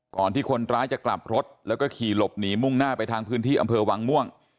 ที่คนร้ายจะกลับรถแล้วก็ขี่หลบหนีมุ่งหน้าไปทางพื้นที่อำเภอวังม่วง